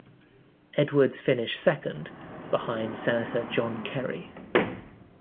Edwards finished second, behind Senator John Kerry.